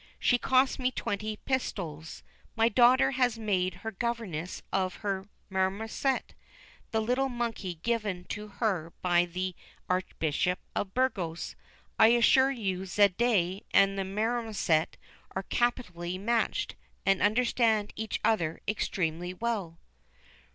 She cost me twenty pistoles. My daughter has made her governess of her Marmoset, the little monkey given to her by the Archbishop of Burgos. I assure you Zayde and the Marmoset are capitally matched, and understand each other extremely well."